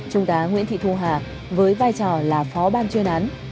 trung tá nguyễn thị thu hà với vai trò là phó ban chuyên án